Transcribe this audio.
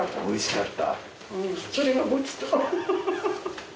おいしかった。